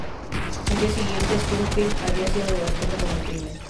Al día siguiente, Springfield había sido devastado por el crimen.